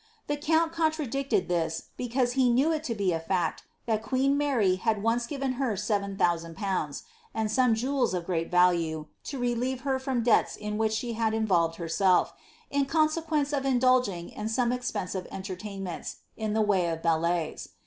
The count contradicted' this, because he knew it to be a fact that queen Mary had once given her 7000/., and some jewels of great value, to relieve her from debts in which she had involved herself, in consequence of indulging in some expensive entertainments, in the way of ballets.